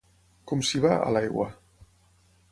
Com s'hi va, a l'aigua?